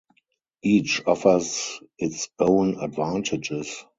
Each offers its own advantages.